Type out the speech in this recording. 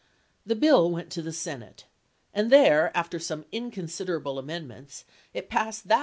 The bill went to the Senate, and there, after some inconsiderable amendments, it passed that njjd.